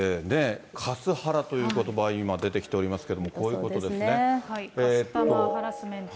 カスハラということば、今、出てきておりますけれども、こうカスタマーハラスメント。